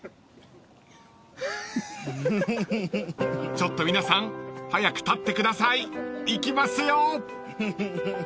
［ちょっと皆さん早く立ってください行きますよ］